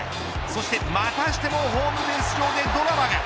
そしてまたしてもホームベース上でドラマが。